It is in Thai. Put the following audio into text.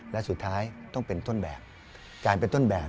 และสุดท้ายต้องเป็นต้นแบบ